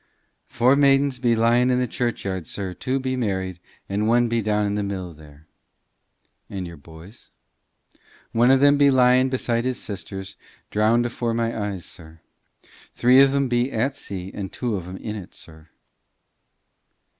"Four maidens be lying in the churchyard, sir; two be married, and one be down in the mill, there." "And your boys?" "One of them be lyin' beside his sisters drownded afore my eyes, sir. Three o' them be at sea, and two o' them in it, sir."